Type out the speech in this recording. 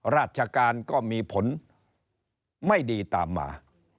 ราชการก็มีผลไม่ดีตามมา